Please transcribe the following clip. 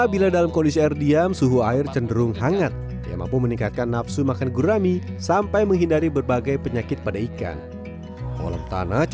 biasanya itu kok pindah tempat itu nanti takutnya ada bahwa penyakit kuat terutama